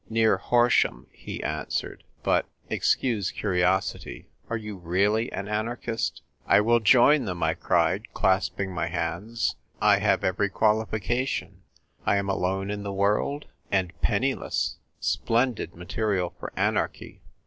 " Near Horsham," he answered. " But — excuse curiosity — are you really an anar chist ?"" I will join them !" I cried, clasping my hands. " I have every qualification. I am alone in the world, and penniless — splendid material for anarchy.